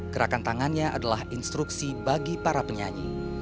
gerakan tangannya adalah instruksi bagi para penyanyi